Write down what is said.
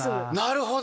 なるほど！